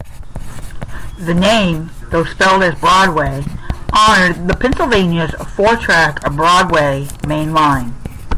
The name, though spelled as "Broadway", honored the Pennsylvania's four-track "broad way" main line.